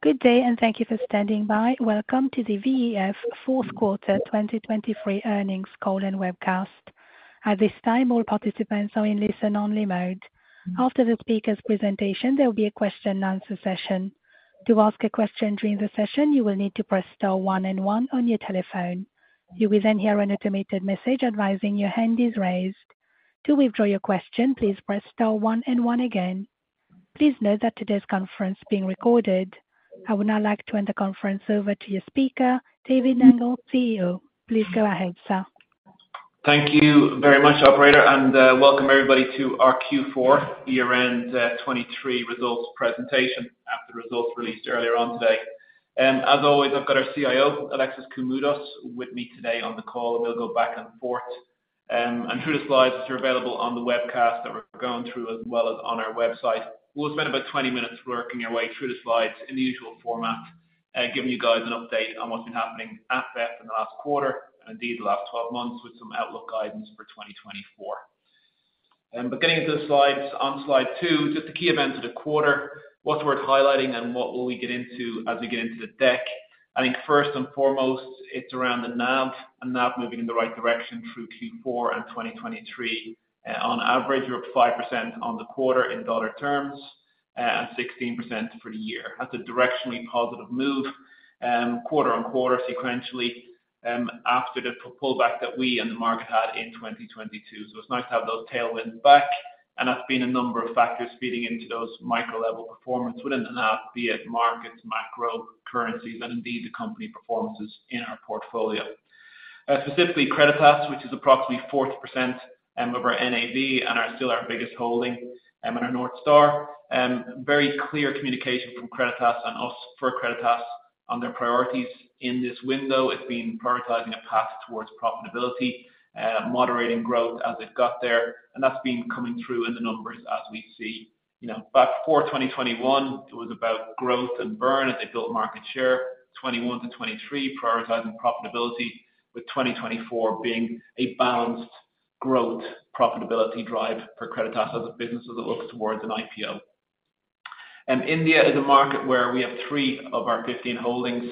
Good day, and thank you for standing by. Welcome to the VEF fourth quarter 2023 earnings call and webcast. At this time, all participants are in listen-only mode. After the speaker's presentation, there will be a question and answer session. To ask a question during the session, you will need to press star one and one on your telephone. You will then hear an automated message advising your hand is raised. To withdraw your question, please press star one and one again. Please note that today's conference is being recorded. I would now like to hand the conference over to your speaker, David Nangle, CEO. Please go ahead, sir. Thank you very much, operator, and welcome everybody to our Q4 year-end 2023 results presentation after the results released earlier on today. As always, I've got our CIO, Alexis Koumoudos, with me today on the call, and we'll go back and forth through the slides, which are available on the webcast that we're going through, as well as on our website. We'll spend about 20 minutes working our way through the slides in the usual format, giving you guys an update on what's been happening at VEF in the last quarter and indeed the last 12 months, with some outlook guidance for 2024. But getting into the slides, on slide 2, just the key events of the quarter, what's worth highlighting, and what will we get into as we get into the deck. I think first and foremost, it's around the NAV, and NAV moving in the right direction through Q4 and 2023. On average, we're up 5% on the quarter in dollar terms, and 16% for the year. That's a directionally positive move, quarter on quarter sequentially, after the pullback that we and the market had in 2022. So it's nice to have those tailwinds back, and that's been a number of factors feeding into those micro-level performance within the NAV, be it markets, macro, currencies, and indeed, the company performances in our portfolio. Specifically, Creditas, which is approximately 40% of our NAV and are still our biggest holding, and our North Star. Very clear communication from Creditas and us for Creditas on their priorities. In this window, it's been prioritizing a path towards profitability, moderating growth as it got there, and that's been coming through in the numbers as we see. You know, back before 2021, it was about growth and burn as they built market share, 2021-2023, prioritizing profitability, with 2024 being a balanced growth profitability drive for Creditas as a business as it looks towards an IPO. India is a market where we have three of our 15 holdings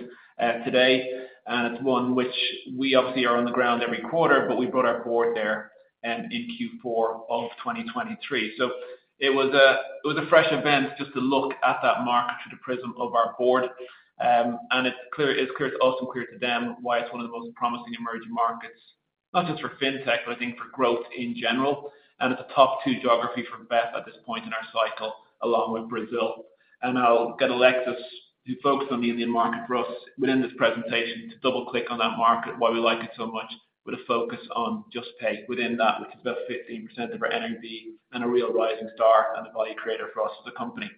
today, and it's one which we obviously are on the ground every quarter, but we brought our board there in Q4 of 2023. It was a fresh event just to look at that market through the prism of our board. It's clear, it's clear, it's also clear to them why it's one of the most promising emerging markets, not just for fintech, but I think for growth in general. It's a top two geography for VEF at this point in our cycle, along with Brazil. I'll get Alexis to focus on the Indian market for us within this presentation, to double click on that market, why we like it so much, with a focus on Juspay within that, which is about 15% of our NAV and a real rising star and a value creator for us as a company.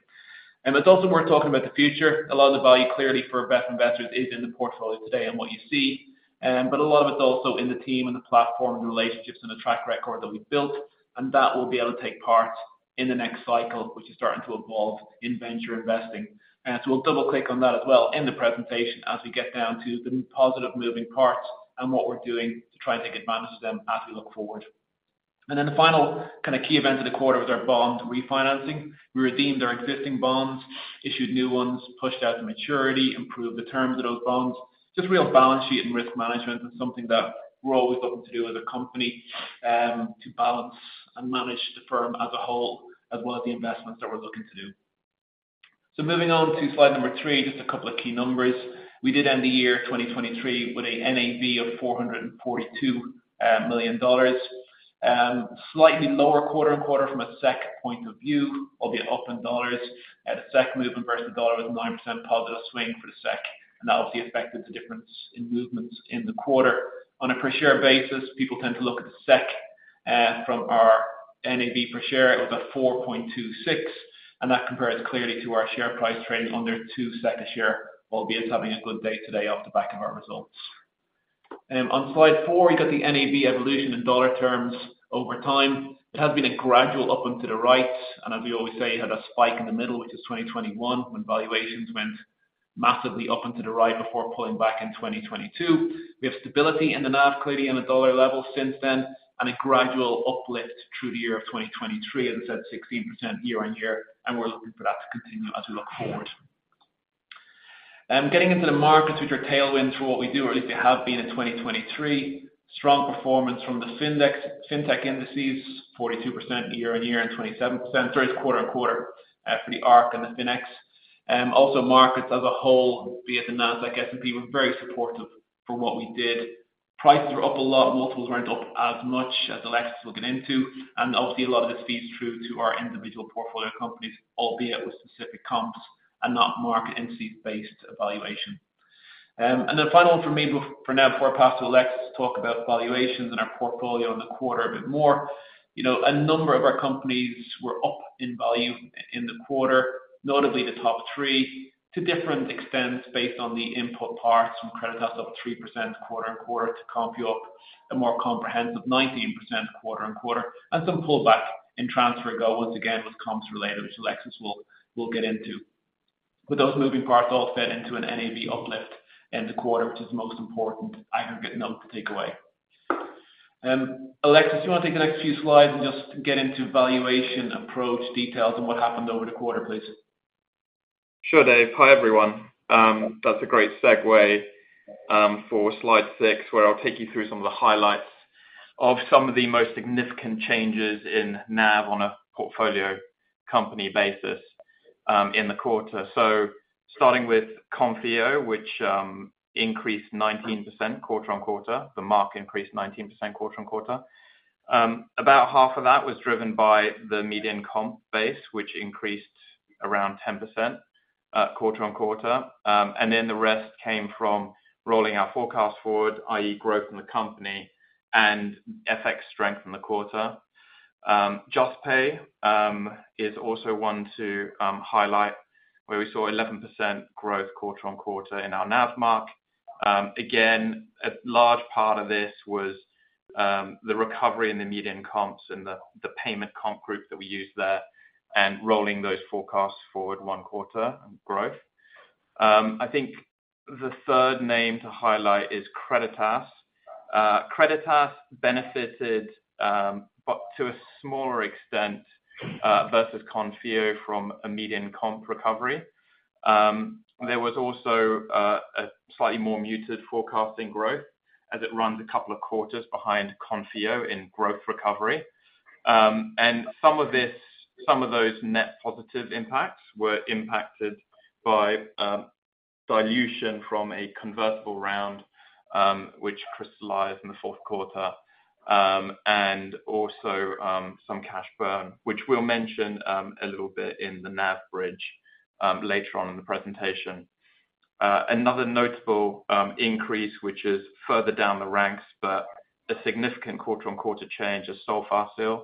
It's also worth talking about the future. A lot of the value, clearly, for VEF investors is in the portfolio today and what you see, but a lot of it's also in the team and the platform, the relationships and the track record that we've built, and that will be able to take part in the next cycle, which is starting to evolve in venture investing. So we'll double click on that as well in the presentation as we get down to the positive moving parts and what we're doing to try and take advantage of them as we look forward. And then the final kind of key event of the quarter was our bond refinancing. We redeemed our existing bonds, issued new ones, pushed out the maturity, improved the terms of those bonds. Just real balance sheet and risk management, and something that we're always looking to do as a company, to balance and manage the firm as a whole, as well as the investments that we're looking to do. So moving on to slide number three, just a couple of key numbers. We did end the year 2023 with a NAV of $442 million. Slightly lower quarter on quarter from a SEK point of view, albeit up in dollars. The SEK move versus the dollar was a 9% positive swing for the SEK, and that obviously affected the difference in movements in the quarter. On a per share basis, people tend to look at the SEK, from our NAV per share. It was at 4.26, and that compares clearly to our share price trading under 2 SEK a share, albeit it's having a good day today off the back of our results. On slide four, you got the NAV evolution in dollar terms over time. It has been a gradual up and to the right, and as we always say, had a spike in the middle, which is 2021, when valuations went massively up and to the right before pulling back in 2022. We have stability in the NAV, clearly in a dollar level since then, and a gradual uplift through the year of 2023, as I said, 16% year on year, and we're looking for that to continue as we look forward. Getting into the markets, which are tailwinds through what we do, or at least they have been in 2023. Strong performance from the fintech indices, 42% year-on-year and 27%—sorry, quarter-on-quarter, for the ARK and the FINX. Also markets as a whole, be it the Nasdaq, S&P, were very supportive for what we did. Prices were up a lot, multiples weren't up as much as Alexis will get into, and obviously a lot of this feeds through to our individual portfolio companies, albeit with specific comps and not market index-based evaluation. And the final one for me for now, before I pass to Alexis to talk about valuations in our portfolio in the quarter a bit more. You know, a number of our companies were up in value in the quarter, notably the top three, to different extents based on the input parts, from Creditas up 3% quarter-on-quarter to Konfio, a more comprehensive 19% quarter-on-quarter, and some pullback in TransferGo, once again, with comps related, which Alexis will get into. But those moving parts all fed into an NAV uplift in the quarter, which is the most important aggregate note to take away.... Alexis, do you want to take the next few slides and just get into valuation approach details and what happened over the quarter, please? Sure, Dave. Hi, everyone. That's a great segue for slide 6, where I'll take you through some of the highlights of some of the most significant changes in NAV on a portfolio company basis in the quarter. Starting with Konfio, which increased 19% quarter-on-quarter. The mark increased 19% quarter-on-quarter. About half of that was driven by the median comp base, which increased around 10% quarter-on-quarter. And then the rest came from rolling our forecast forward, i.e., growth in the company and FX strength in the quarter. Juspay is also one to highlight, where we saw 11% growth quarter-on-quarter in our NAV mark. Again, a large part of this was the recovery in the median comps and the payment comp group that we use there, and rolling those forecasts forward one quarter growth. I think the third name to highlight is Creditas. Creditas benefited, but to a smaller extent, versus Konfio from a median comp recovery. There was also a slightly more muted forecasting growth as it runs a couple of quarters behind Konfio in growth recovery. And some of this, some of those net positive impacts were impacted by dilution from a convertible round, which crystallized in the fourth quarter, and also some cash burn, which we'll mention a little bit in the NAV bridge later on in the presentation. Another notable increase, which is further down the ranks, but a significant quarter-on-quarter change is Solfacil,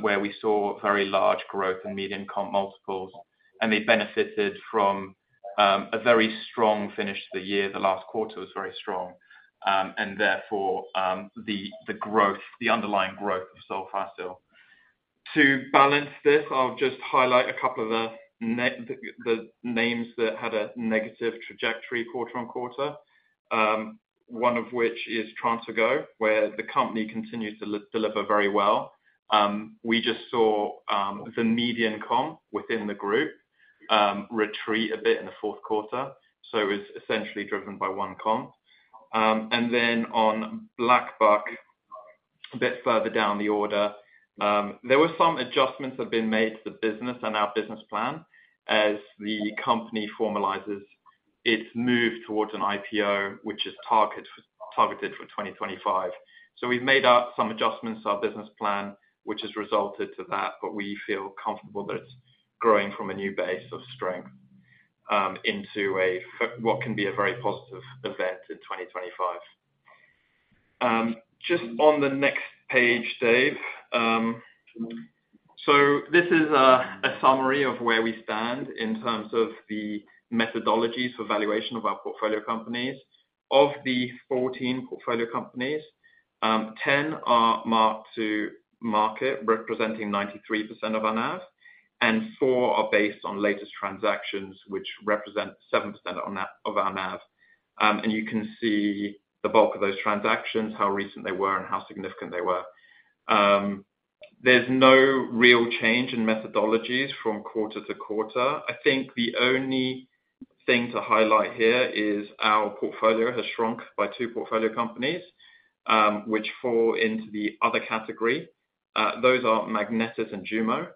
where we saw very large growth in median comp multiples, and they benefited from a very strong finish to the year. The last quarter was very strong. Therefore, the underlying growth of Solfacil. To balance this, I'll just highlight a couple of the names that had a negative trajectory quarter-on-quarter. One of which is TransferGo, where the company continued to deliver very well. We just saw the median comp within the group retreat a bit in the fourth quarter, so it's essentially driven by one comp. And then on BlackBuck, a bit further down the order, there were some adjustments have been made to the business and our business plan as the company formalizes its move towards an IPO, which is targeted for 2025. So we've made up some adjustments to our business plan, which has resulted to that, but we feel comfortable that it's growing from a new base of strength, into a what can be a very positive event in 2025. Just on the next page, Dave. So this is, a summary of where we stand in terms of the methodologies for valuation of our portfolio companies. Of the 14 portfolio companies, 10 are marked to market, representing 93% of our NAV, and four are based on latest transactions, which represent 7% of our NAV. And you can see the bulk of those transactions, how recent they were and how significant they were. There's no real change in methodologies from quarter to quarter. I think the only thing to highlight here is our portfolio has shrunk by 2 portfolio companies, which fall into the other category. Those are Magnetis and JUMO,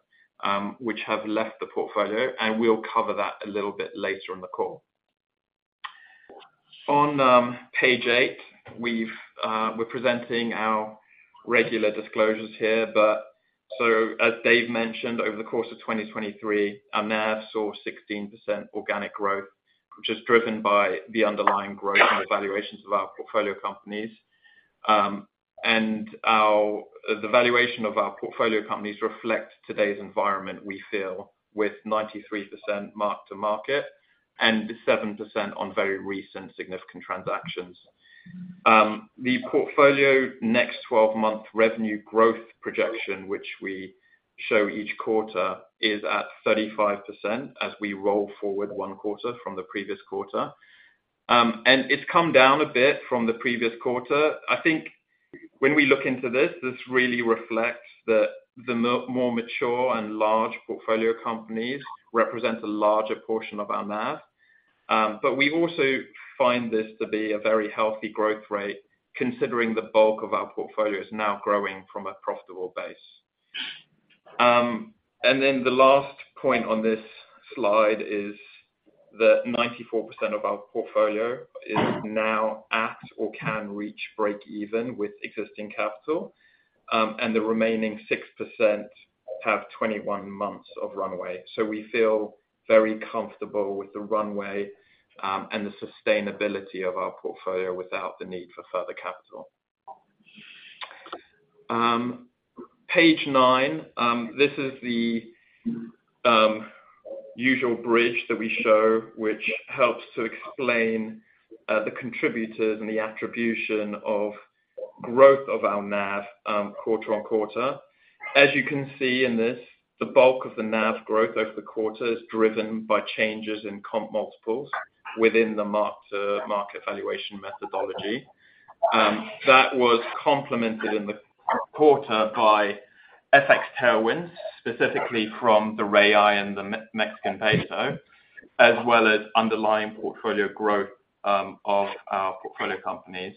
which have left the portfolio, and we'll cover that a little bit later in the call. On page eight, we've, we're presenting our regular disclosures here, but so as Dave mentioned, over the course of 2023, our NAV saw 16% organic growth, which is driven by the underlying growth and valuations of our portfolio companies. And our, the valuation of our portfolio companies reflect today's environment, we feel, with 93% mark to market and 7% on very recent significant transactions. The portfolio next twelve-month revenue growth projection, which we show each quarter, is at 35% as we roll forward one quarter from the previous quarter. It's come down a bit from the previous quarter. I think when we look into this, this really reflects that the more mature and large portfolio companies represent a larger portion of our NAV. But we also find this to be a very healthy growth rate, considering the bulk of our portfolio is now growing from a profitable base. And then the last point on this slide is that 94% of our portfolio is now at or can reach breakeven with existing capital, and the remaining 6% have 21 months of runway. So we feel very comfortable with the runway, and the sustainability of our portfolio without the need for further capital. Page nine, this is the usual bridge that we show, which helps to explain the contributors and the attribution of growth of our NAV quarter-on-quarter. As you can see in this, the bulk of the NAV growth over the quarter is driven by changes in comp multiples within the mark-to-market valuation methodology. That was complemented in the quarter by FX tailwinds, specifically from the BRL and the Mexican peso, as well as underlying portfolio growth of our portfolio companies.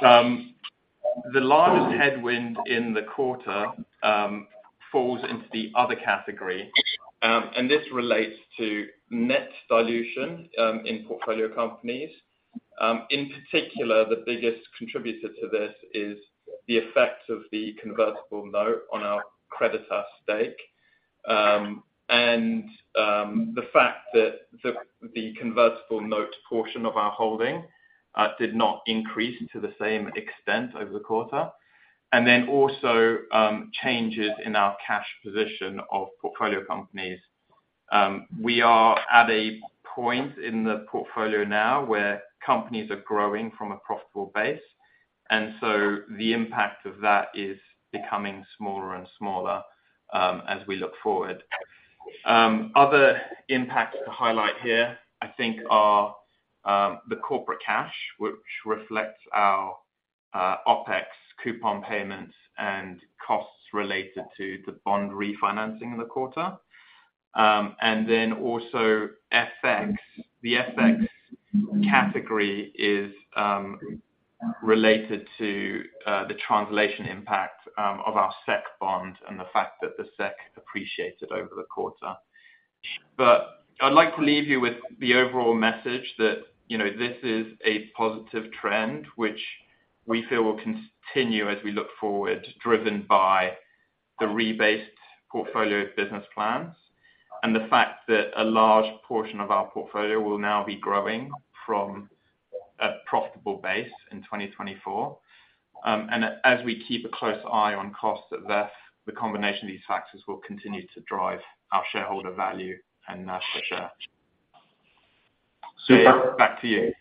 The largest headwind in the quarter falls into the other category, and this relates to net dilution in portfolio companies. In particular, the biggest contributor to this is the effect of the convertible note on our Creditas stake. The fact that the convertible note portion of our holding did not increase to the same extent over the quarter, and then also changes in our cash position of portfolio companies. We are at a point in the portfolio now where companies are growing from a profitable base, and so the impact of that is becoming smaller and smaller, as we look forward. Other impacts to highlight here, I think, are the corporate cash, which reflects our OPEX coupon payments and costs related to the bond refinancing in the quarter. And then also FX. The FX category is related to the translation impact of our SEK bond and the fact that the SEK appreciated over the quarter. But I'd like to leave you with the overall message that, you know, this is a positive trend, which we feel will continue as we look forward, driven by the rebased portfolio of business plans and the fact that a large portion of our portfolio will now be growing from a profitable base in 2024. And as we keep a close eye on costs at VEF, the combination of these factors will continue to drive our shareholder value and NAV per share. Dave, back to you.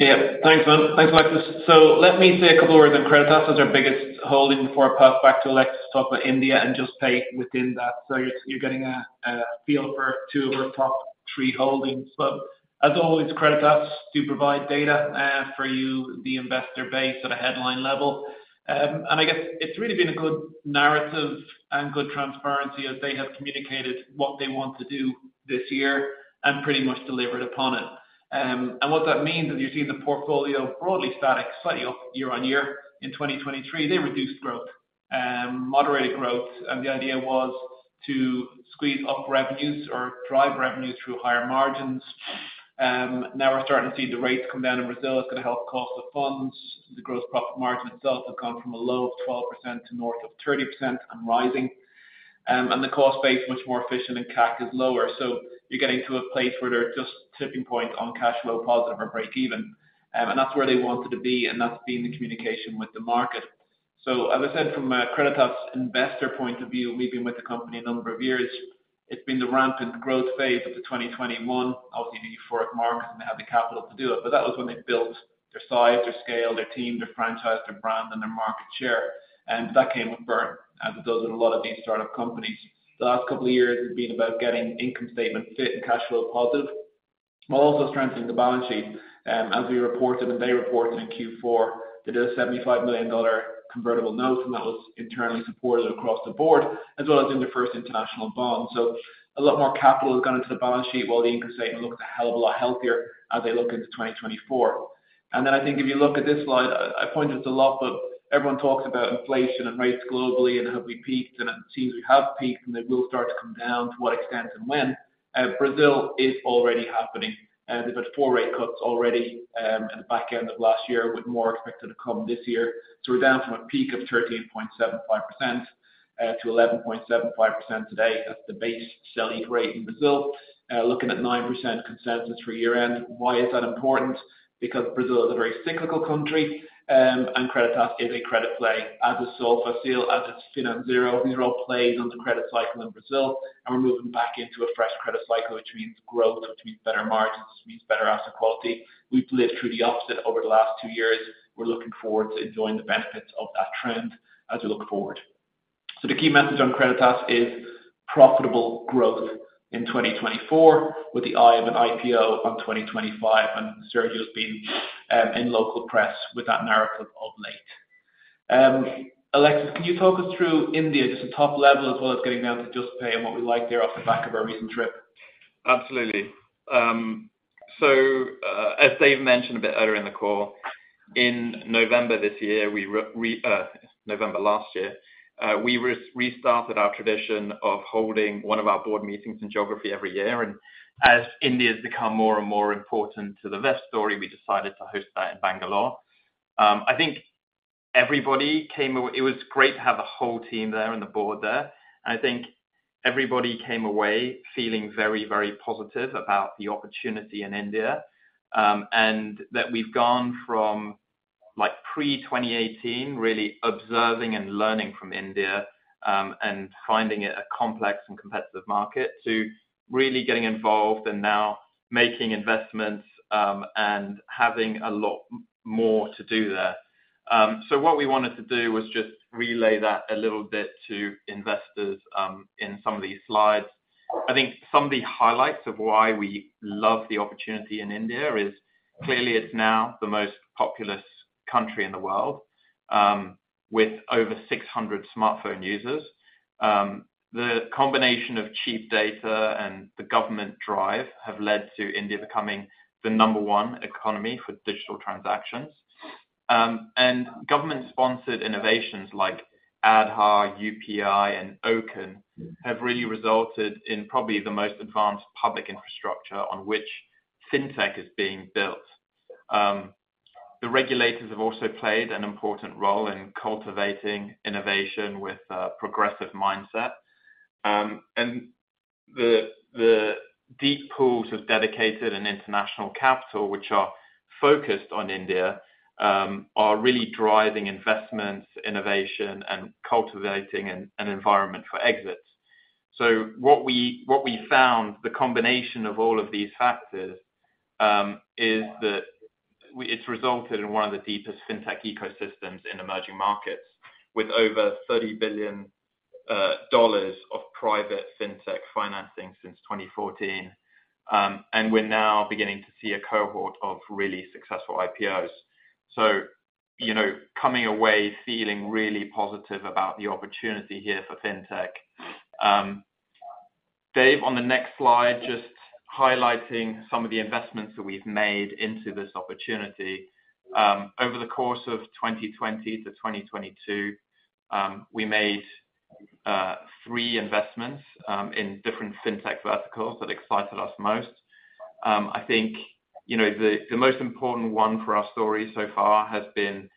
Yeah. Thanks, Alex. So let me say a couple of words on Creditas as our biggest holding before I pass it back to Alexis to talk about India and Juspay within that. So you're getting a feel for two of our top three holdings. But as always, Creditas do provide data for you, the investor base, at a headline level. And I guess it's really been a good narrative and good transparency as they have communicated what they want to do this year and pretty much delivered upon it. And what that means is you're seeing the portfolio broadly static, slightly up year-over-year. In 2023, they reduced growth, moderated growth, and the idea was to squeeze up revenues or drive revenues through higher margins. Now we're starting to see the rates come down in Brazil. It's going to help cost of funds. The gross profit margin itself has come from a low of 12% to north of 30% and rising. And the cost base is much more efficient and CAC is lower. So you're getting to a place where they're just tipping points on cash flow positive or breakeven, and that's where they wanted to be, and that's been the communication with the market. So as I said, from a Creditas investor point of view, we've been with the company a number of years. It's been the rampant growth phase of the 2021, obviously, the euphoric market, and they have the capital to do it. But that was when they built their size, their scale, their team, their franchise, their brand, and their market share. And that came with burn, as it does with a lot of these startup companies. The last couple of years has been about getting income statement fit and cash flow positive, while also strengthening the balance sheet. As we reported and they reported in Q4, they did a $75 million convertible note, and that was internally supported across the board, as well as in their first international bond. So a lot more capital has gone into the balance sheet, while the income statement looks a hell of a lot healthier as they look into 2024. And then I think if you look at this slide, I point this a lot, but everyone talks about inflation and rates globally, and have we peaked? And it seems we have peaked, and they will start to come down. To what extent and when? Brazil is already happening, they've had 4 rate cuts already, in the back end of last year, with more expected to come this year. So we're down from a peak of 13.75%, to 11.75% today. That's the base Selic rate in Brazil. Looking at 9% consensus for year-end. Why is that important? Because Brazil is a very cyclical country, and Creditas is a credit play, as is Solfacil, as is FinanZero. These are all plays on the credit cycle in Brazil, and we're moving back into a fresh credit cycle, which means growth, which means better margins, which means better asset quality. We've lived through the opposite over the last 2 years. We're looking forward to enjoying the benefits of that trend as we look forward. So the key message on Creditas is profitable growth in 2024, with the eye of an IPO on 2025, and Sergio's been in local press with that narrative of late. Alexis, can you talk us through India, just the top level, as well as getting down to Juspay and what we like there off the back of our recent trip? Absolutely. So, as Dave mentioned a bit earlier in the call, in November last year, we restarted our tradition of holding one of our board meetings in geography every year, and as India's become more and more important to the VEF story, we decided to host that in Bangalore. I think everybody came away... It was great to have the whole team there and the board there, and I think everybody came away feeling very, very positive about the opportunity in India, and that we've gone from-... like pre-2018, really observing and learning from India, and finding it a complex and competitive market, to really getting involved and now making investments, and having a lot more to do there. So what we wanted to do was just relay that a little bit to investors, in some of these slides. I think some of the highlights of why we love the opportunity in India is, clearly it's now the most populous country in the world, with over 600 smartphone users. The combination of cheap data and the government drive have led to India becoming the number one economy for digital transactions. And government-sponsored innovations like Aadhaar, UPI, and OCEN, have really resulted in probably the most advanced public infrastructure on which Fintech is being built. The regulators have also played an important role in cultivating innovation with a progressive mindset. And the deep pools of dedicated and international capital, which are focused on India, are really driving investments, innovation, and cultivating an environment for exits. So what we found, the combination of all of these factors, is that it's resulted in one of the deepest fintech ecosystems in emerging markets, with over $30 billion of private fintech financing since 2014. And we're now beginning to see a cohort of really successful IPOs. So, you know, coming away feeling really positive about the opportunity here for fintech. Dave, on the next slide, just highlighting some of the investments that we've made into this opportunity. Over the course of 2020 to 2022, we made 3 investments in different fintech verticals that excited us most. I think, you know, the most important one for our story so far has been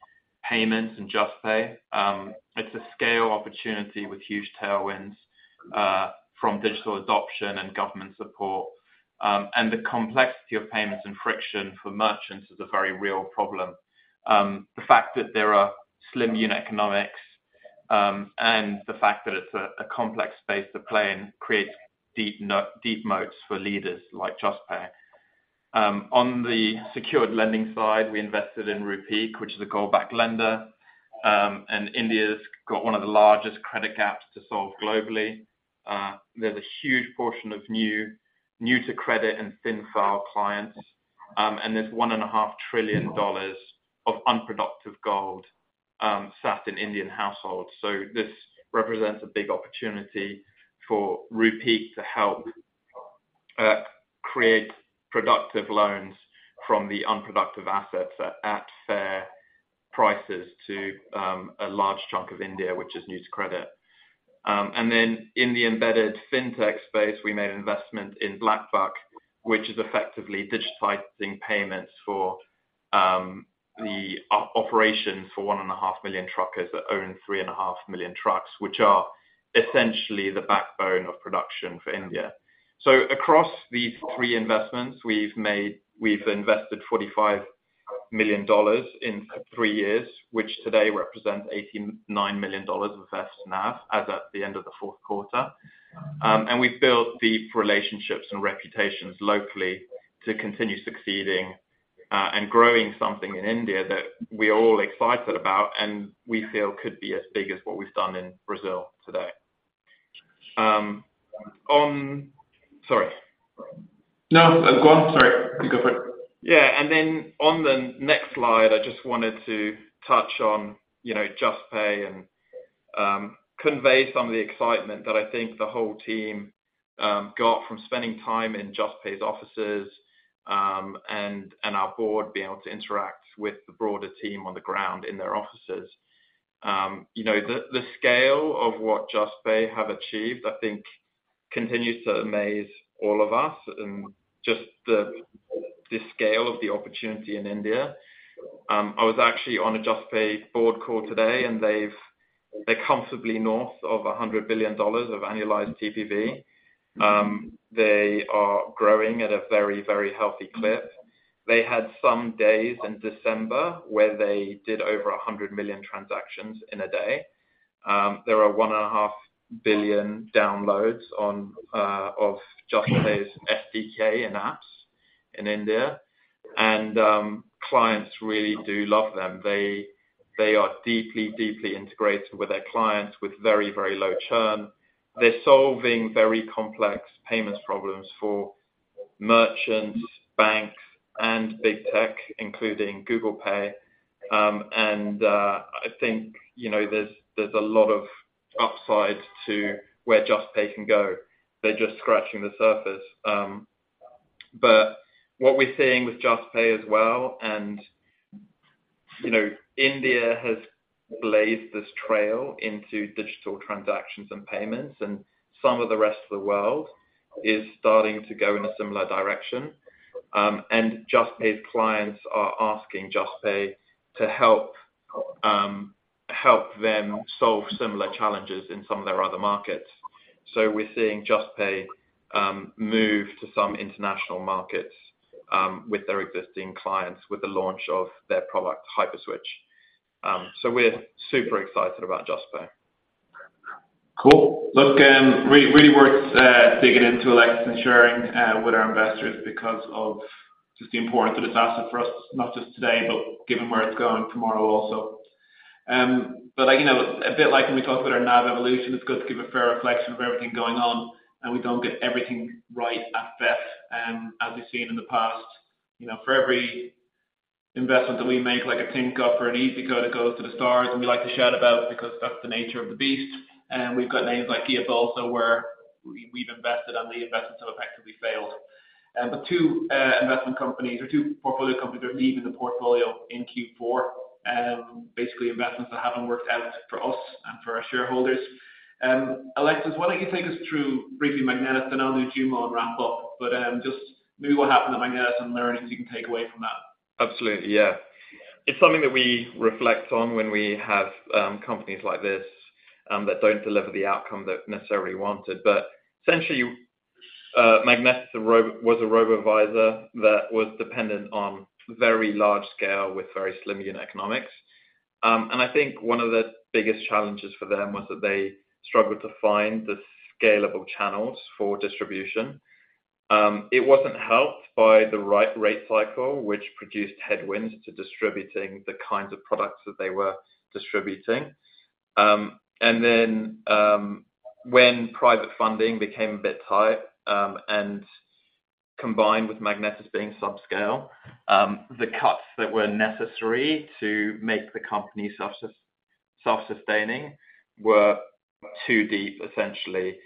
payments and Juspay. It's a scale opportunity with huge tailwinds from digital adoption and government support. And the complexity of payments and friction for merchants is a very real problem. The fact that there are slim unit economics, and the fact that it's a complex space to play in, creates deep moats for leaders like Juspay. On the secured lending side, we invested in Rupeek, which is a gold-backed lender. And India's got one of the largest credit gaps to solve globally. There's a huge portion of new to credit and thin-file clients, and there's $1.5 trillion of unproductive gold sat in Indian households. So this represents a big opportunity for Rupeek to help create productive loans from the unproductive assets at fair prices to a large chunk of India, which is new to credit. And then in the embedded fintech space, we made an investment in BlackBuck, which is effectively digitizing payments for the operation for 1.5 million truckers that own 3.5 million trucks, which are essentially the backbone of production for India. So across these three investments, we've invested $45 million in three years, which today represents $89 million invested NAV, as at the end of the fourth quarter. And we've built deep relationships and reputations locally to continue succeeding and growing something in India that we're all excited about and we feel could be as big as what we've done in Brazil today. On... Sorry. No, go on. Sorry. Go for it. Yeah, and then on the next slide, I just wanted to touch on, you know, Juspay and, convey some of the excitement that I think the whole team got from spending time in Juspay's offices, and our board being able to interact with the broader team on the ground in their offices. You know, the scale of what Juspay have achieved, I think, continues to amaze all of us and just the scale of the opportunity in India. I was actually on a Juspay board call today, and they're comfortably north of $100 billion of annualized TPV. They are growing at a very, very healthy clip. They had some days in December where they did over 100 million transactions in a day. There are 1.5 billion downloads on of Juspay's SDK and apps in India, and clients really do love them. They are deeply, deeply integrated with their clients with very, very low churn. They're solving very complex payments problems for merchants, banks, and big tech, including Google Pay. And I think, you know, there's a lot of upside to where Juspay can go. They're just scratching the surface. But what we're seeing with Juspay as well, and you know, India has blazed this trail into digital transactions and payments, and some of the rest of the world is starting to go in a similar direction. And Juspay's clients are asking Juspay to help them solve similar challenges in some of their other markets. So we're seeing Juspay move to some international markets, with their existing clients, with the launch of their product, Hyperswitch. So we're super excited about Juspay. Cool. Look, really worth digging into Alexis and sharing with our investors because of just the importance of this asset for us, not just today, but given where it's going tomorrow also. But, like, you know, a bit like when we talk about our NAV evolution, it's good to give a fair reflection of everything going on, and we don't get everything right at VEF, as we've seen in the past. You know, for every investment that we make, like a Tinkoff or an iyzico, that goes to the stars, and we like to shout about because that's the nature of the beast. And we've got names like Guiabolso also, where we've invested and the investments have effectively failed. But two investment companies or two portfolio companies are leaving the portfolio in Q4. Basically, investments that haven't worked out for us and for our shareholders. Alexis, why don't you take us through briefly Magnetis, and I'll do Jumo and wrap up. But, just maybe what happened to Magnetis and learnings you can take away from that? Absolutely, yeah. It's something that we reflect on when we have companies like this that don't deliver the outcome that necessarily we wanted. But essentially, Magnetis was a robo-advisor that was dependent on very large scale with very slim unit economics. And I think one of the biggest challenges for them was that they struggled to find the scalable channels for distribution. It wasn't helped by the right rate cycle, which produced headwinds to distributing the kinds of products that they were distributing. And then, when private funding became a bit tight, and combined with Magnetis being subscale, the cuts that were necessary to make the company self-sustaining were too deep, essentially.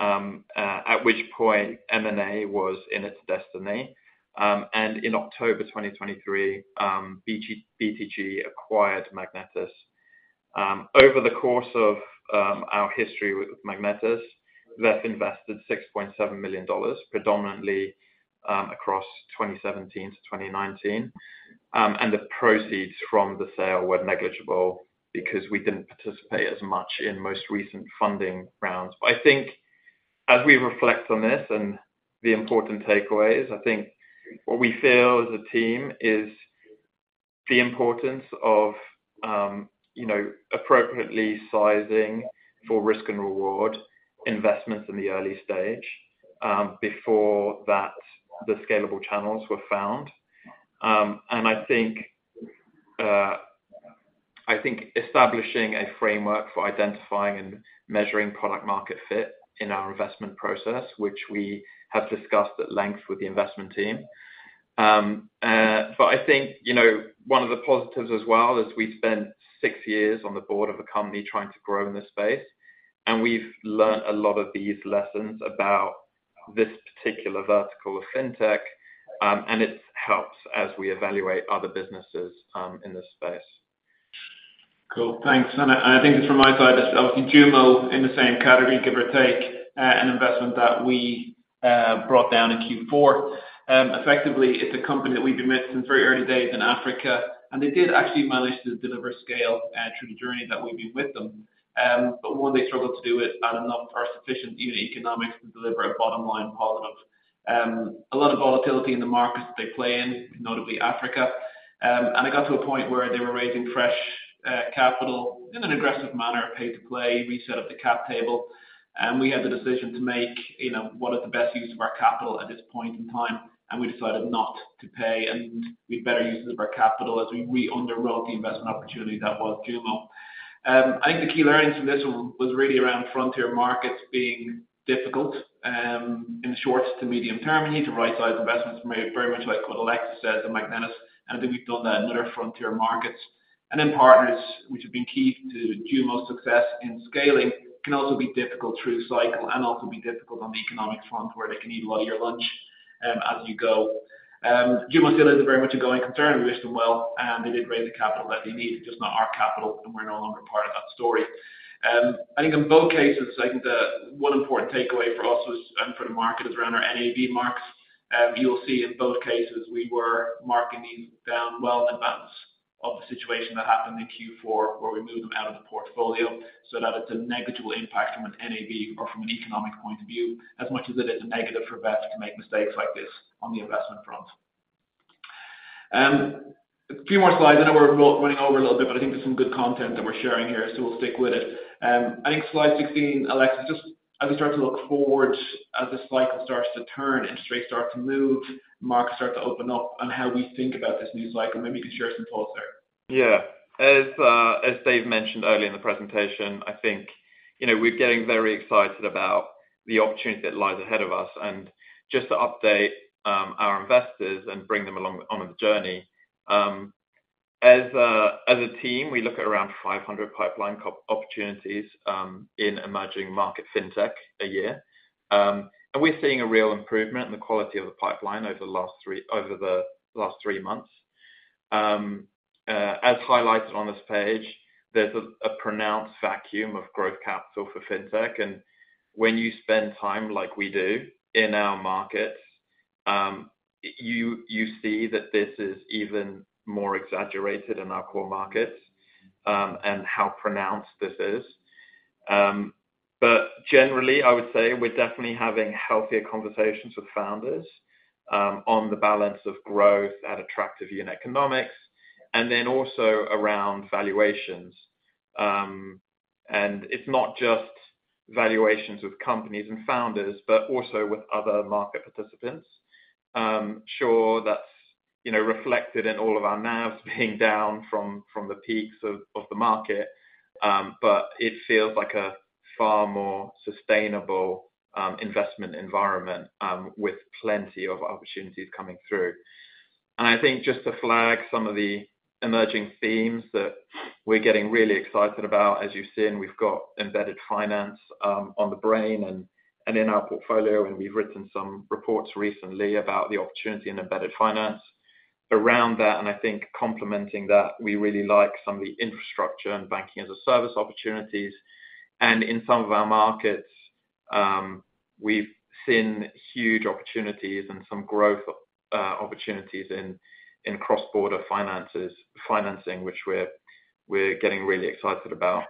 At which point M&A was in its destiny. And in October 2023, BTG acquired Magnetis. Over the course of our history with Magnetis, VEF invested $6.7 million, predominantly, across 2017 to 2019. The proceeds from the sale were negligible because we didn't participate as much in most recent funding rounds. I think as we reflect on this and the important takeaways, I think what we feel as a team is the importance of, you know, appropriately sizing for risk and reward investments in the early stage, before that the scalable channels were found. I think, I think establishing a framework for identifying and measuring product market fit in our investment process, which we have discussed at length with the investment team. But I think, you know, one of the positives as well is we spent six years on the board of a company trying to grow in this space, and we've learned a lot of these lessons about this particular vertical of fintech, and it helps as we evaluate other businesses in this space. Cool, thanks. I think just from my side, just looking Jumo in the same category, give or take, an investment that we brought down in Q4. Effectively, it's a company that we've been with since very early days in Africa, and they did actually manage to deliver scale through the journey that we've been with them. But when they struggled to do it at enough for sufficient unit economics to deliver a bottom-line positive. A lot of volatility in the markets they play in, notably Africa. And it got to a point where they were raising fresh, capital in an aggressive manner, pay to play, reset up the cap table, and we had the decision to make, you know, what is the best use of our capital at this point in time, and we decided not to pay, and we had better uses of our capital as we underwrote the investment opportunity that was JUMO. I think the key learnings from this one was really around frontier markets being difficult, in short to medium term. You need to rightsize investments very much like what Alexis said at Magnetis, and I think we've done that in other frontier markets. And then partners, which have been key to JUMO's success in scaling, can also be difficult through cycle and also be difficult on the economic front, where they can eat a lot of your lunch, as you go. JUMO still is very much a going concern. We wish them well, and they did raise the capital that they needed, just not our capital, and we're no longer part of that story. I think in both cases, I think the one important takeaway for us was, for the market is around our NAV marks. You'll see in both cases we were marking these down well in advance of the situation that happened in Q4, where we moved them out of the portfolio so that it's a negligible impact from an NAV or from an economic point of view, as much as it is a negative for VEF to make mistakes like this on the investment front. A few more slides. I know we're running over a little bit, but I think there's some good content that we're sharing here, so we'll stick with it. I think slide 16, Alexis, just as we start to look forward, as this cycle starts to turn and rates start to move, markets start to open up, and how we think about this new cycle, maybe you can share some thoughts there. Yeah. As Dave mentioned earlier in the presentation, I think, you know, we're getting very excited about the opportunity that lies ahead of us and just to update our investors and bring them along on the journey. As a team, we look at around 500 pipeline opportunities in emerging market fintech a year. And we're seeing a real improvement in the quality of the pipeline over the last three months. As highlighted on this page, there's a pronounced vacuum of growth capital for fintech, and when you spend time like we do in our markets. You see that this is even more exaggerated in our core markets, and how pronounced this is. But generally, I would say we're definitely having healthier conversations with founders, on the balance of growth at attractive unit economics, and then also around valuations. And it's not just valuations with companies and founders, but also with other market participants. Sure, that's, you know, reflected in all of our NAVs being down from the peaks of the market, but it feels like a far more sustainable investment environment, with plenty of opportunities coming through. And I think just to flag some of the emerging themes that we're getting really excited about, as you've seen, we've got embedded finance on the brain and in our portfolio, and we've written some reports recently about the opportunity in embedded finance. Around that, and I think complementing that, we really like some of the infrastructure and banking-as-a-service opportunities. And in some of our markets, we've seen huge opportunities and some growth opportunities in cross-border financing, which we're getting really excited about.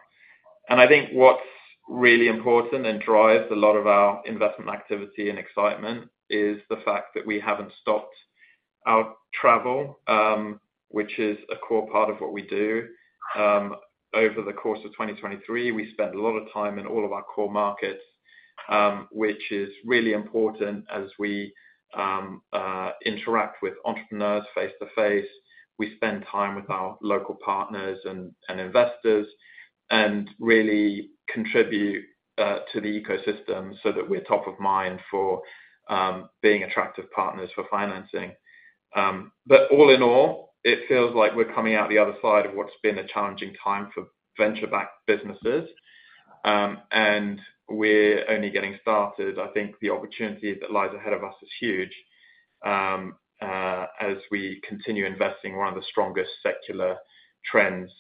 And I think what's really important and drives a lot of our investment activity and excitement is the fact that we haven't stopped our travel, which is a core part of what we do. Over the course of 2023, we spent a lot of time in all of our core markets, which is really important as we interact with entrepreneurs face-to-face. We spend time with our local partners and investors, and really contribute to the ecosystem so that we're top of mind for being attractive partners for financing. But all in all, it feels like we're coming out the other side of what's been a challenging time for venture-backed businesses, and we're only getting started. I think the opportunity that lies ahead of us is huge, as we continue investing in one of the strongest secular trends,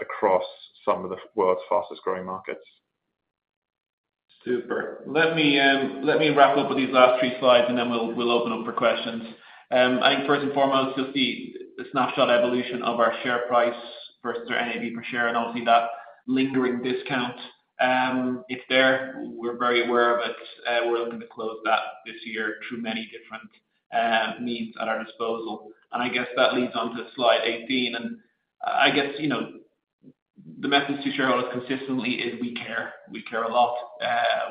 across some of the world's fastest-growing markets. Super. Let me wrap up with these last 3 slides, and then we'll open up for questions. I think first and foremost, you'll see the snapshot evolution of our share price versus our NAV per share, and obviously, that lingering discount. We're very aware of it. We're looking to close that this year through many different means at our disposal. And I guess that leads on to slide 18, and I guess, you know, the message to shareholders consistently is we care. We care a lot.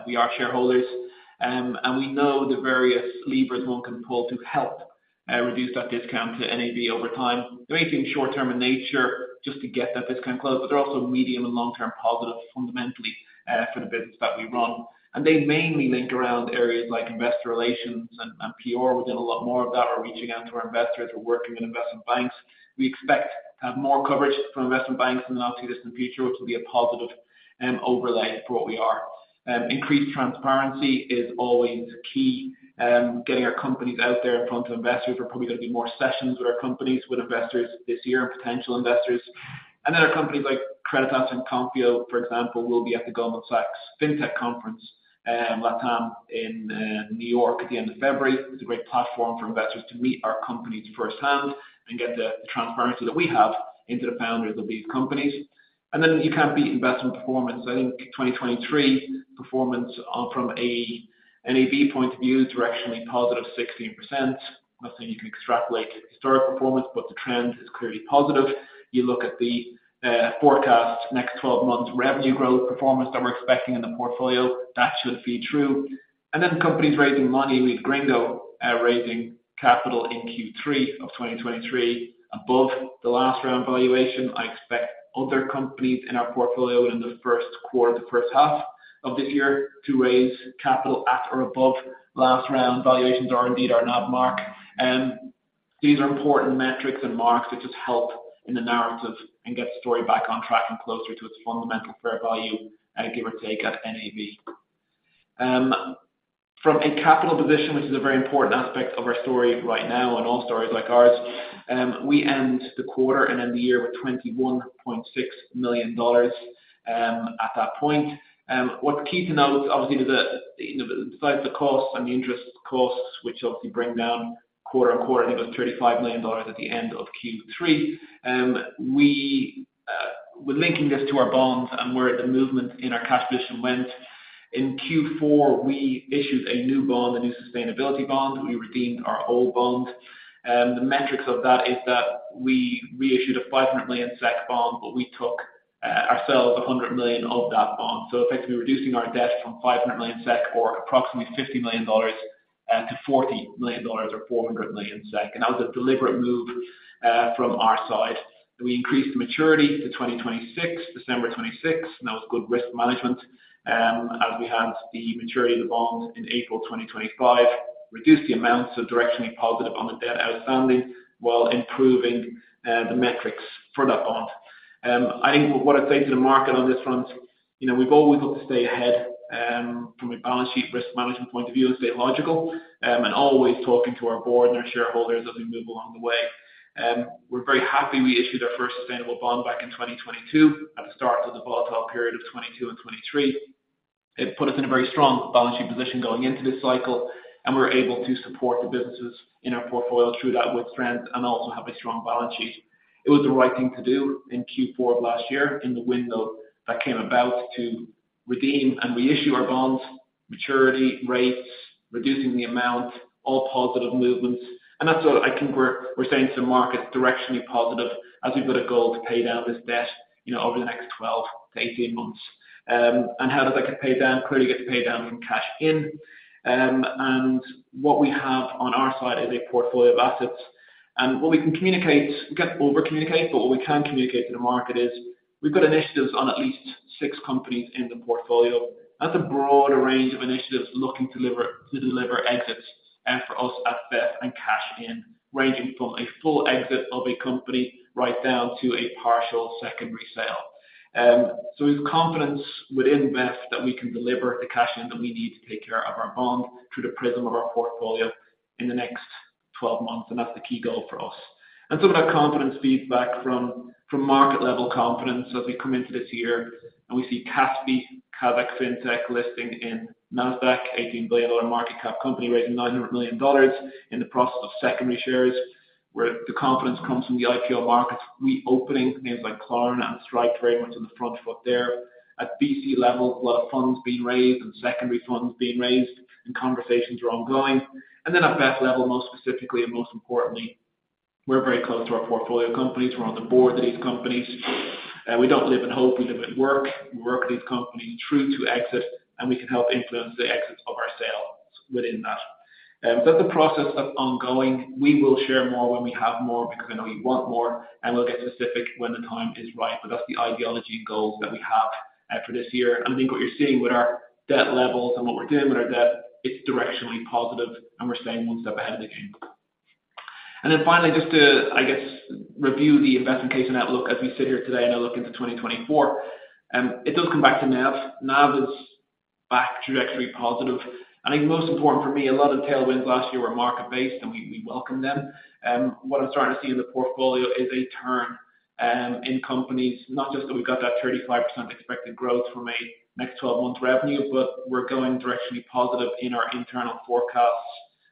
We are shareholders, and we know the various levers one can pull to help reduce that discount to NAV over time. There are things short term in nature just to get that discount closed, but they're also medium- and long-term positive fundamentally for the business that we run. They mainly link around areas like investor relations and PR. We're doing a lot more of that. We're reaching out to our investors. We're working with investment banks. We expect to have more coverage from investment banks, and obviously, this in the future, which will be a positive overlay for what we are. Increased transparency is always key. Getting our companies out there in front of investors, we're probably going to be more sessions with our companies, with investors this year, and potential investors. And then our companies like Creditas and Konfio, for example, will be at the Goldman Sachs Fintech Conference, LATAM in New York at the end of February. It's a great platform for investors to meet our companies firsthand and get the transparency that we have into the founders of these companies. And then you can't beat investment performance. I think 2023 performance, from a NAV point of view, directionally positive 16%. Not saying you can extrapolate historic performance, but the trend is clearly positive. You look at the, forecast next twelve months revenue growth performance that we're expecting in the portfolio, that should feed through. And then companies raising money, with Gringo, raising capital in Q3 of 2023 above the last round valuation. I expect other companies in our portfolio in the first quarter, the first half of this year, to raise capital at or above last round valuations, or indeed our NAV mark. These are important metrics and marks that just help in the narrative and get the story back on track and closer to its fundamental fair value, give or take, at NAV. From a capital position, which is a very important aspect of our story right now and all stories like ours, we end the quarter and end the year with $21.6 million, at that point. What's key to note, obviously, the, you know, besides the costs and the interest costs, which obviously bring down quarter-over-quarter, I think it was $35 million at the end of Q3, we're linking this to our bonds and where the movement in our cash position went. In Q4, we issued a new bond, a new sustainability bond. We redeemed our old bond. The metrics of that is that we reissued a $500 million SEK bond, but we took ourselves $100 million of that bond. So effectively reducing our debt from 500 million SEK, or approximately $50 million, to SEK 40 million or 400 million SEK, and that was a deliberate move, from our side. We increased the maturity to 2026, December 2026, and that was good risk management, as we had the maturity of the bond in April 2025, reduced the amounts of directionally positive on the debt outstanding, while improving, the metrics for that bond. I think what I'd say to the market on this front, you know, we've always looked to stay ahead, from a balance sheet risk management point of view and stay logical, and always talking to our board and our shareholders as we move along the way. We're very happy we issued our first sustainable bond back in 2022 at the start of the volatile period of 2022 and 2023. It put us in a very strong balance sheet position going into this cycle, and we're able to support the businesses in our portfolio through that with strength and also have a strong balance sheet. It was the right thing to do in Q4 of last year, in the window that came about, to redeem and reissue our bonds, maturity rates, reducing the amount, all positive movements. And that's what I think we're, we're saying to the market, directionally positive as we've got a goal to pay down this debt, you know, over the next 12-18 months. And how does that get paid down? Clearly, it gets paid down from cash in. What we have on our side is a portfolio of assets. What we can communicate, we can't overcommunicate, but what we can communicate to the market is we've got initiatives on at least 6 companies in the portfolio. That's a broader range of initiatives looking deliver, to deliver exits, and for us at best and cash in, ranging from a full exit of a company right down to a partial secondary sale. With confidence within VEF that we can deliver the cash in that we need to take care of our bond through the prism of our portfolio in the next 12 months, and that's the key goal for us. And some of that confidence feeds back from market-level confidence as we come into this year and we see Kaspi, Kazakh fintech, listing in Nasdaq, $18 billion market cap company, raising $900 million in the process of secondary shares, where the confidence comes from the IPO market reopening names like Klarna and Stripe, very much on the front foot there. At VC level, a lot of funds being raised and secondary funds being raised, and conversations are ongoing. And then at VEF level, most specifically and most importantly, we're very close to our portfolio companies. We're on the board of these companies, and we don't live in hope, we live in work. We work with these companies through to exit, and we can help influence the exits of our sales within that. But the process is ongoing. We will share more when we have more, because I know you want more, and we'll get specific when the time is right. But that's the ideology and goals that we have for this year. And I think what you're seeing with our debt levels and what we're doing with our debt, it's directionally positive, and we're staying one step ahead of the game. And then finally, just to, I guess, review the investment case and outlook as we sit here today and I look into 2024, it does come back to NAV. NAV is back trajectory positive. I think most important for me, a lot of tailwinds last year were market-based, and we welcome them. What I'm starting to see in the portfolio is a turn in companies, not just that we've got that 35% expected growth from a next twelve-month revenue, but we're going directionally positive in our internal forecasts.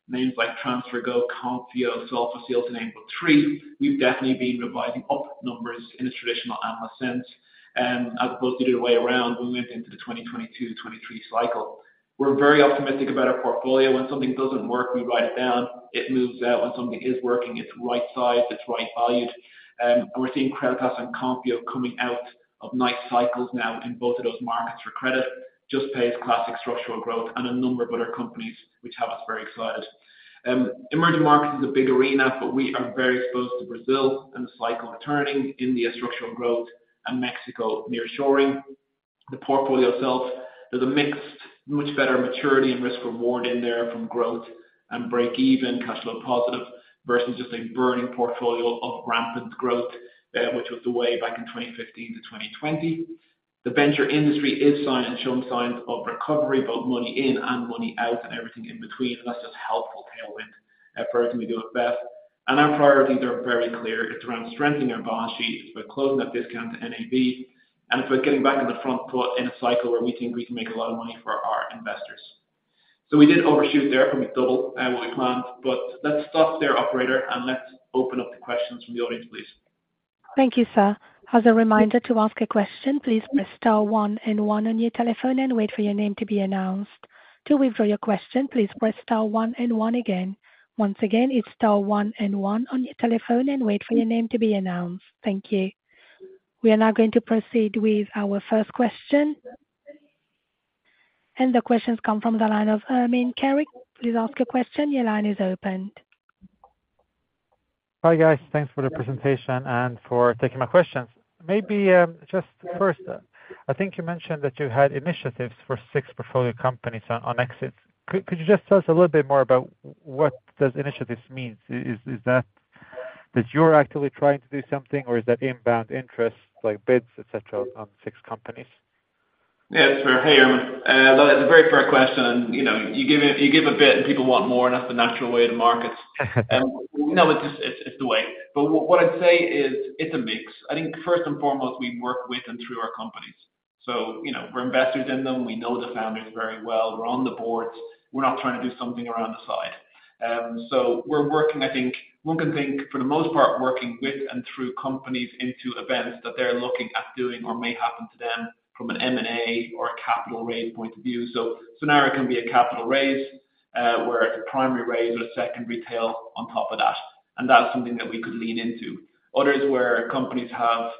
Names like TransferGo, Konfio, Solfacil, and Gringo, we've definitely been revising up numbers in a traditional analyst sense, as opposed to the other way around, we went into the 2022, 2023 cycle. We're very optimistic about our portfolio. When something doesn't work, we write it down. It moves out. When something is working, it's right sized, it's right valued. And we're seeing Creditas and Konfio coming out of nice cycles now in both of those markets for credit. Juspay classic structural growth and a number of other companies, which have us very excited. Emerging markets is a big arena, but we are very exposed to Brazil and the cycle turning India structural growth and Mexico nearshoring. The portfolio itself, there's a mixed, much better maturity and risk reward in there from growth and break even capital positive versus just a burning portfolio of rampant growth, which was the way back in 2015 to 2020. The venture industry is signed and showing signs of recovery, both money in and money out and everything in between. And that's just helpful tailwind for how can we do it best. And our priorities are very clear. It's around strengthening our balance sheet, it's about closing that discount to NAV, and it's about getting back on the front foot in a cycle where we think we can make a lot of money for our investors. So we did overshoot there from a double, what we planned, but let's stop there, operator, and let's open up the questions from the audience, please. Thank you, sir. As a reminder, to ask a question, please press star one and one on your telephone and wait for your name to be announced. To withdraw your question, please press star one and one again. Once again, it's star one and one on your telephone and wait for your name to be announced. Thank you. We are now going to proceed with our first question. The questions come from the line of Ermin Keric. Please ask a question. Your line is open. Hi, guys. Thanks for the presentation and for taking my questions. Maybe, just first, I think you mentioned that you had initiatives for six portfolio companies on exits. Could you just tell us a little bit more about what does initiatives mean? Is that you're actively trying to do something, or is that inbound interest, like bids, et cetera, on six companies? Yeah, sure. Hey, Ermin, that is a very fair question. You know, you give a bit, and people want more, and that's the natural way of the markets. No, it's just the way. But what I'd say is it's a mix. I think first and foremost, we work with and through our companies. So you know, we're investors in them. We know the families very well. We're on the boards. We're not trying to do something around the side. So we're working, I think one can think, for the most part, working with and through companies into events that they're looking at doing or may happen to them from an M&A or a capital raise point of view. So scenario can be a capital raise, where a primary raise or a second retail on top of that, and that's something that we could lean into. Others, where companies have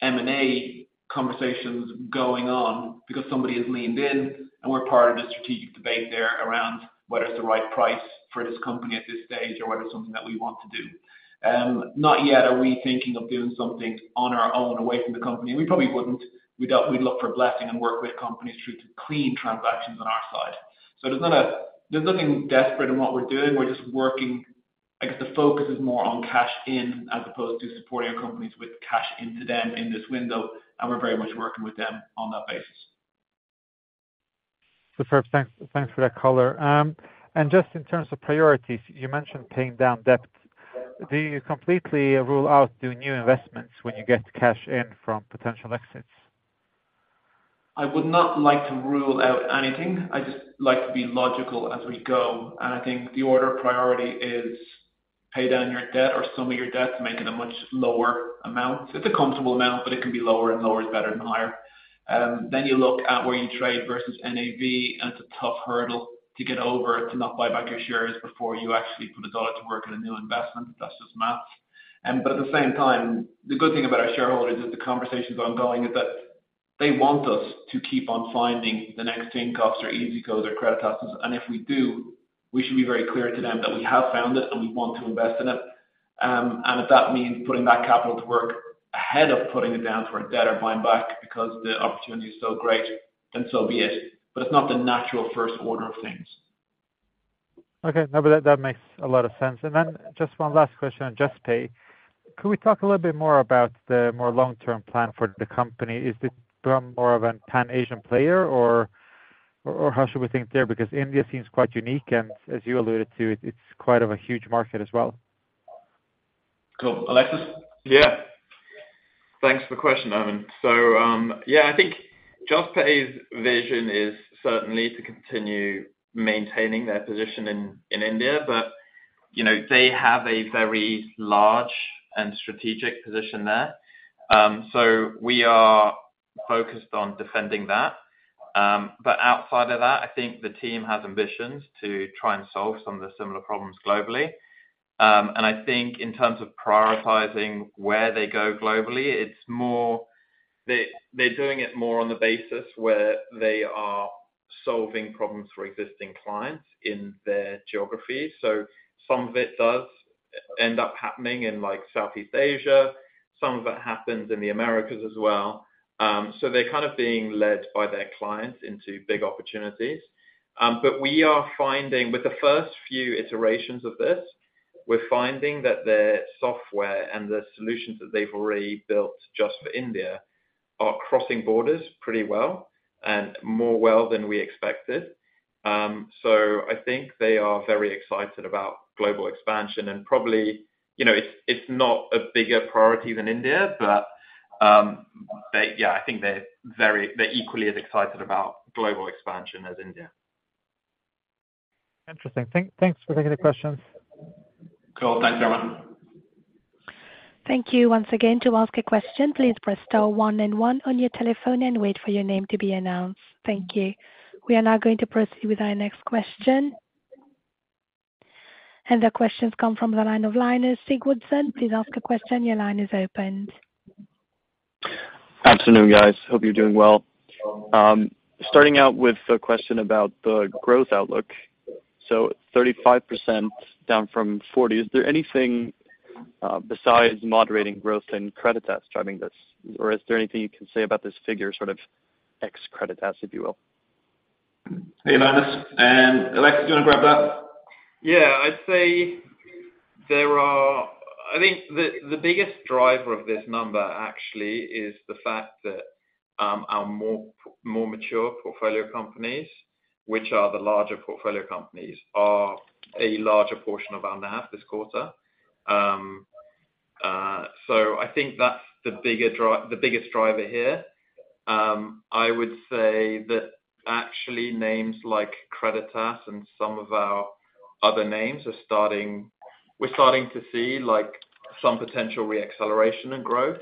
M&A conversations going on because somebody has leaned in, and we're part of the strategic debate there around whether it's the right price for this company at this stage or whether it's something that we want to do. Not yet are we thinking of doing something on our own away from the company. We probably wouldn't. We'd look for blessing and work with companies through to clean transactions on our side. So there's nothing desperate in what we're doing. We're just working. I guess the focus is more on cash in as opposed to supporting our companies with cash into them in this window, and we're very much working with them on that basis.... Superb, thanks, thanks for that color. Just in terms of priorities, you mentioned paying down debt. Do you completely rule out doing new investments when you get cash in from potential exits? I would not like to rule out anything. I just like to be logical as we go, and I think the order of priority is pay down your debt or some of your debt to make it a much lower amount. It's a comfortable amount, but it can be lower, and lower is better than higher. Then you look at where you trade versus NAV, and it's a tough hurdle to get over to not buy back your shares before you actually put a dollar to work in a new investment. That's just math. But at the same time, the good thing about our shareholders is the conversation is ongoing, is that they want us to keep on finding the next Tinkoff or iyzico or Creditas. If we do, we should be very clear to them that we have found it, and we want to invest in it. And if that means putting that capital to work ahead of putting it down toward debt or buying back because the opportunity is so great, then so be it. But it's not the natural first order of things. Okay. No, but that, that makes a lot of sense. And then just one last question on Juspay. Could we talk a little bit more about the more long-term plan for the company? Is it to become more of a Pan-Asian player, or, or how should we think there? Because India seems quite unique, and as you alluded to, it's quite of a huge market as well. Cool. Alexis? Yeah. Thanks for the question, Evan. So, yeah, I think Juspay's vision is certainly to continue maintaining their position in India, but, you know, they have a very large and strategic position there. So we are focused on defending that. But outside of that, I think the team has ambitions to try and solve some of the similar problems globally. And I think in terms of prioritizing where they go globally, it's more they, they're doing it more on the basis where they are solving problems for existing clients in their geographies. So some of it does end up happening in, like, Southeast Asia. Some of it happens in the Americas as well. So they're kind of being led by their clients into big opportunities. But we are finding... With the first few iterations of this, we're finding that their software and the solutions that they've already built just for India are crossing borders pretty well and more well than we expected. So I think they are very excited about global expansion, and probably, you know, it's, it's not a bigger priority than India, but, they-- yeah, I think they're very, they're equally as excited about global expansion as India. Interesting. Thanks for taking the questions. Cool. Thanks, Evan. Thank you once again. To ask a question, please press star one and one on your telephone and wait for your name to be announced. Thank you. We are now going to proceed with our next question. The question's come from the line of Linus Sigurdsson. Please ask a question. Your line is open. Afternoon, guys. Hope you're doing well. Starting out with a question about the growth outlook. So 35% down from 40%, is there anything besides moderating growth in Creditas driving this? Or is there anything you can say about this figure, sort of ex-Creditas, if you will? Hey, Linus, and Alex, do you want to grab that? Yeah, I'd say there are—I think the biggest driver of this number actually is the fact that our more mature portfolio companies, which are the larger portfolio companies, are a larger portion of our NAV this quarter. So I think that's the bigger driver here. I would say that actually names like Creditas and some of our other names are starting... We're starting to see, like, some potential reacceleration in growth.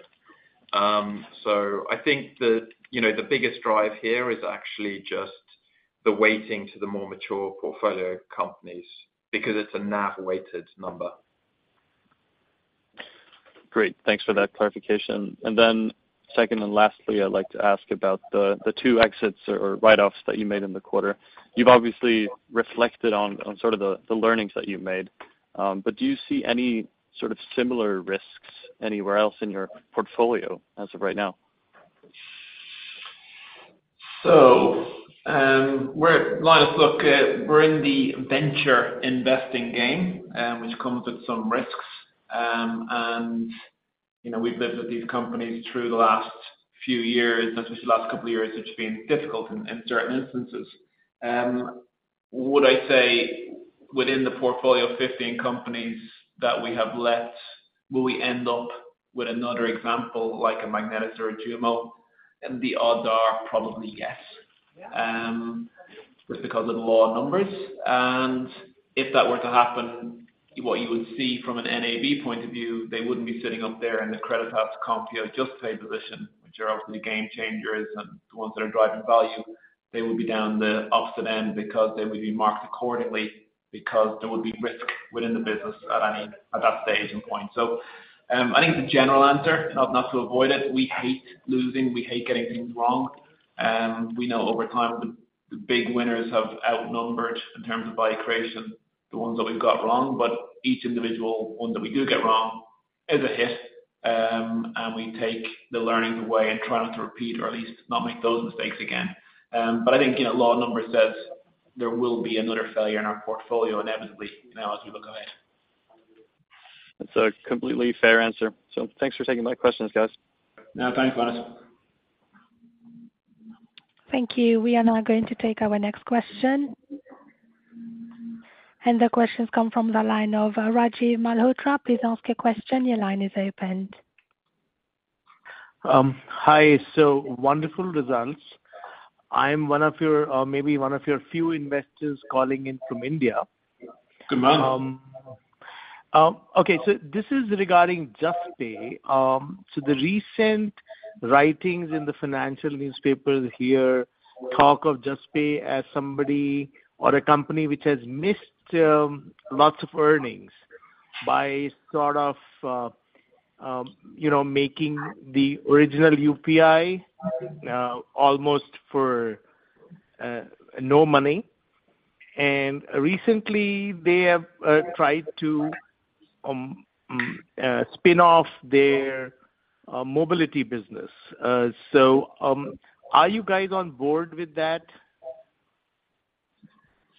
So I think that, you know, the biggest drive here is actually just the weighting to the more mature portfolio companies, because it's a NAV-weighted number. Great! Thanks for that clarification. And then second, and lastly, I'd like to ask about the two exits or write-offs that you made in the quarter. You've obviously reflected on sort of the learnings that you've made, but do you see any sort of similar risks anywhere else in your portfolio as of right now? So, Linus, look, we're in the venture investing game, which comes with some risks. And, you know, we've lived with these companies through the last few years, especially the last couple of years, which have been difficult in certain instances. Would I say within the portfolio of 15 companies that we have left, will we end up with another example, like a Magnetis or a JUMO? And the odds are probably yes, just because of the law of numbers. And if that were to happen, what you would see from an NAV point of view, they wouldn't be sitting up there in the Creditas Konfio Juspay position, which are obviously the game changers and the ones that are driving value. They would be down the opposite end because they would be marked accordingly, because there would be risk within the business at that stage and point. So, I think the general answer, not to avoid it, we hate losing, we hate getting things wrong. We know over time, the big winners have outnumbered, in terms of value creation, the ones that we've got wrong, but each individual one that we do get wrong is a hit. And we take the learnings away and try not to repeat, or at least not make those mistakes again. But I think, you know, law of numbers says there will be another failure in our portfolio inevitably, you know, as we look ahead.... That's a completely fair answer. So thanks for taking my questions, guys. Yeah, thanks, guys. Thank you. We are now going to take our next question. The question's come from the line of Rajiv Malhotra. Please ask your question. Your line is open. Hi. So wonderful results. I'm one of your, maybe one of your few investors calling in from India. Good morning. Okay, so this is regarding Juspay. So the recent writings in the financial newspapers here talk of Juspay as somebody or a company which has missed lots of earnings by sort of, you know, making the original UPI almost for no money. And recently they have tried to spin off their mobility business. So, are you guys on board with that?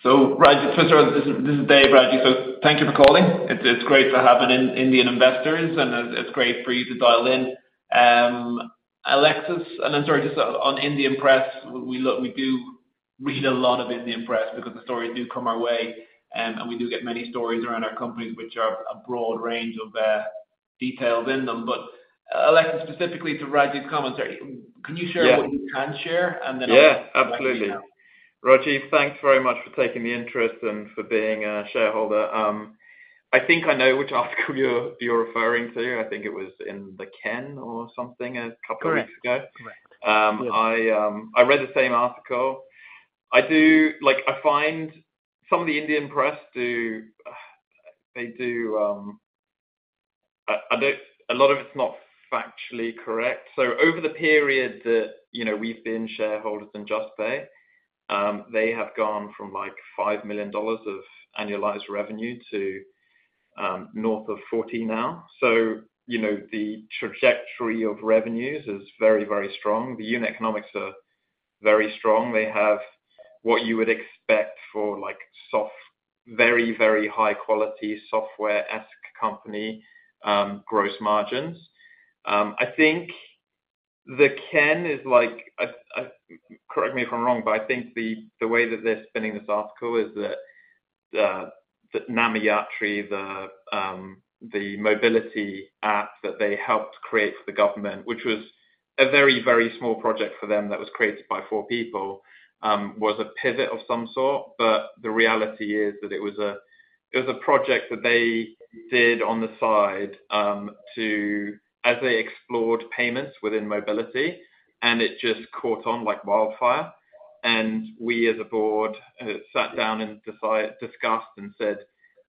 So, Rajiv, first of all, this is Dave, Rajiv. So thank you for calling. It's great to have Indian investors, and it's great for you to dial in. Alexis... And I'm sorry, just on Indian press, we look, we do read a lot of Indian press because the stories do come our way, and we do get many stories around our companies, which are a broad range of details in them. But Alexis, specifically to Rajiv's comments, can you share- Yeah. what you can share, and then Yeah, absolutely. Rajiv, thanks very much for taking the interest and for being a shareholder. I think I know which article you're referring to. I think it was in The Ken or something a couple- Correct. of weeks ago. Correct. Yeah. I read the same article. I do... Like, I find some of the Indian press do, they do, I think a lot of it's not factually correct. So over the period that, you know, we've been shareholders in Juspay, they have gone from, like, $5 million of annualized revenue to, north of 40 now. So, you know, the trajectory of revenues is very, very strong. The unit economics are very strong. They have what you would expect for, like, soft, very, very high quality software-esque company, gross margins. I think The Ken is like... Correct me if I'm wrong, but I think the, the way that they're spinning this article is that, that Namma Yatri, the, the mobility app that they helped create for the government, which was a very, very small project for them that was created by four people, was a pivot of some sort. But the reality is that it was a, it was a project that they did on the side, to, as they explored payments within mobility, and it just caught on like wildfire. And we as a board, sat down and discussed and said,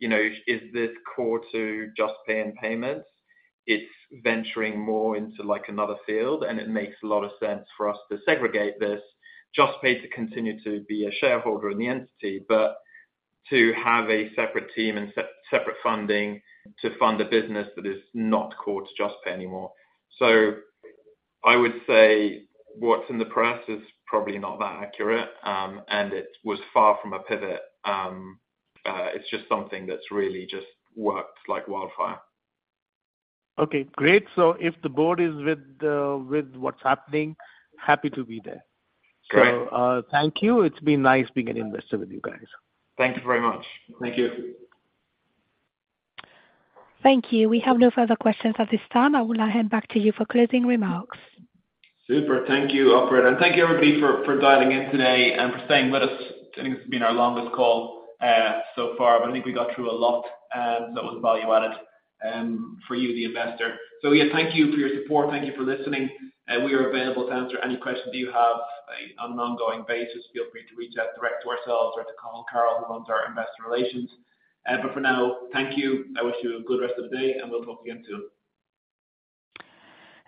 "You know, is this core to Juspay and payments? It's venturing more into, like, another field, and it makes a lot of sense for us to segregate this." Juspay to continue to be a shareholder in the entity, but to have a separate team and separate funding to fund a business that is not core to Juspay anymore. So I would say what's in the press is probably not that accurate, and it was far from a pivot. It's just something that's really just worked like wildfire. Okay, great. So if the board is with, with what's happening, happy to be there. Great. Thank you. It's been nice being an investor with you guys. Thank you very much. Thank you. Thank you. We have no further questions at this time. I will now hand back to you for closing remarks. Super. Thank you, operator, and thank you, everybody, for dialing in today and for staying with us. I think it's been our longest call so far, but I think we got through a lot that was value-added for you, the investor. So yeah, thank you for your support. Thank you for listening, and we are available to answer any questions that you have on an ongoing basis. Feel free to reach out direct to ourselves or to Cathal, who runs our investor relations. But for now, thank you. I wish you a good rest of the day, and we'll talk again soon.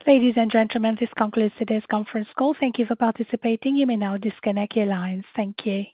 Ladies and gentlemen, this concludes today's conference call. Thank you for participating. You may now disconnect your lines. Thank you.